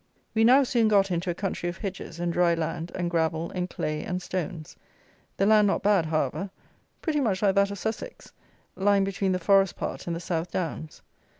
We now soon got into a country of hedges and dry land and gravel and clay and stones; the land not bad, however; pretty much like that of Sussex, lying between the forest part and the South Downs.